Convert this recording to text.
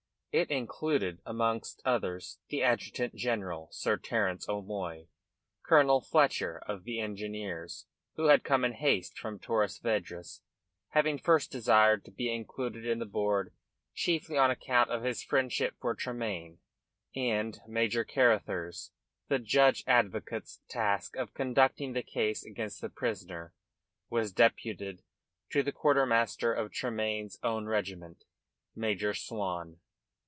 It included, amongst others, the adjutant general, Sir Terence O'Moy; Colonel Fletcher of the Engineers, who had come in haste from Torres Vedras, having first desired to be included in the board chiefly on account of his friendship for Tremayne; and Major Carruthers. The judge advocate's task of conducting the case against the prisoner was deputed to the quartermaster of Tremayne's own regiment, Major Swan.